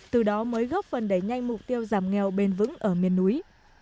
từ đó mới góp phần đẩy nhanh mục tiêu giảm nghèo bền vững ở miền núi